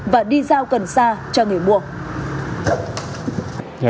và đi giao cần xa cho người mua